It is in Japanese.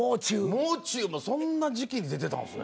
もう中もそんな時期に出てたんですね。